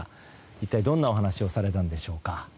一体どんなお話をされたのでしょうか。